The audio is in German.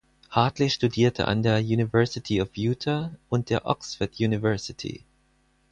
Hartley studierte an der University of Utah und der Oxford University.